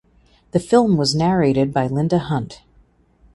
The film was narrated by Linda Hunt.